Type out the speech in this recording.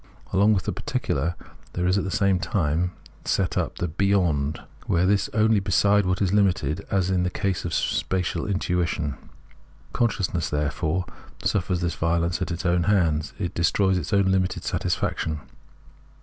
Along with the particular there is at the same time set up the " beyond," were this only beside what is limited, as in the case of spatial intuition. Conscious ness, therefore, suffers this violence at its own hands ; it destroys its own limited satisfaction.